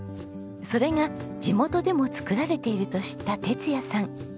それが地元でも作られていると知った哲也さん。